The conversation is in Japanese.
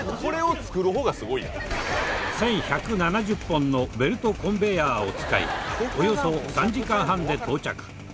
１１７０本のベルトコンベヤーを使いおよそ３時間半で到着。